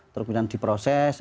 terus di proses